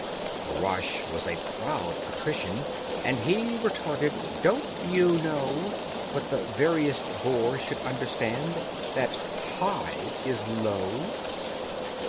The rush was a proud patrician, and He retorted, "Don't you know, What the veriest boor should understand, That 'Hi' is low?"